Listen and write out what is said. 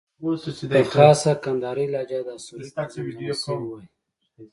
په خاصه کندارۍ لهجه دا سروکی زمزمه شوی وای.